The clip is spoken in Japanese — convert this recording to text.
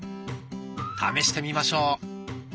試してみましょう。